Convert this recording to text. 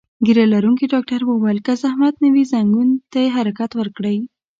ږیره لرونکي ډاکټر وویل: که زحمت نه وي، ځنګون ته یې حرکت ورکړئ.